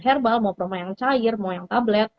herbal mau promo yang cair mau yang tablet